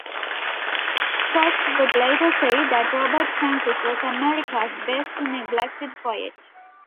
Frost would later say that Robert Francis was America's best neglected poet.